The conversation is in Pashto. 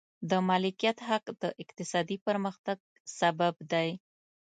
د مالکیت حق د اقتصادي پرمختګ سبب دی.